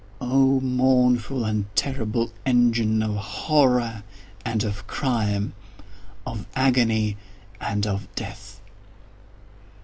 —oh, mournful and terrible engine of Horror and of Crime—of Agony and of Death!